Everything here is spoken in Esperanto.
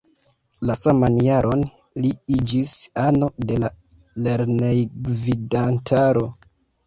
La saman jaron li iĝis ano de la lernejgvidantaro.